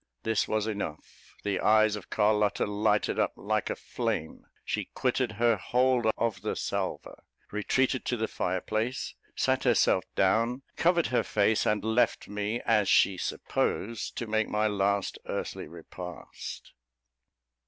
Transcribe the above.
This was enough: the eyes of Carlotta lighted up like a flame; she quitted her hold of the salver, retreated to the fireplace, sat herself down, covered her face, and left me, as she supposed, to make my last earthly repast.